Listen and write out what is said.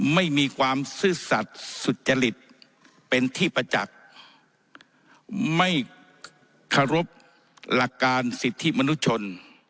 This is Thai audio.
ไม่มีความซื่อสัตว์สุจริตเป็นที่ประจักษ์ไม่เคารพหลักการสิทธิมนุษยชน